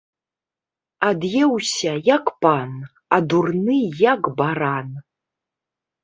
Ад'еўся як пан, а дурны, як баран